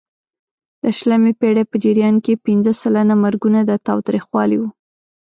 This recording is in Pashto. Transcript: د شلمې پېړۍ په جریان کې پینځه سلنه مرګونه د تاوتریخوالي وو.